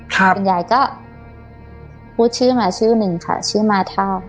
คุณยายก็พูดชื่อมาชื่อหนึ่งค่ะชื่อมาเท่า